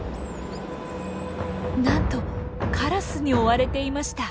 なんとカラスに追われていました。